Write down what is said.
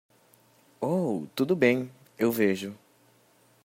Oh, tudo bem, eu vejo.